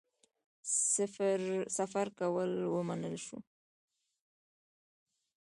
سفر خو ومنل شو.